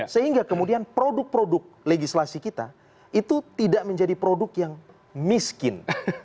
sehingga kemudian produk produk legislasi kita itu tidak menjadi produk yang miskin